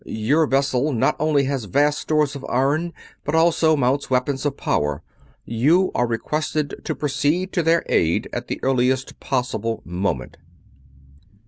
Your vessel not only has vast stores of iron, but also mounts weapons of power. You are requested to proceed to their aid at the earliest possible moment."